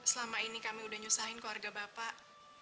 selama ini kami udah nyusahin keluarga bapak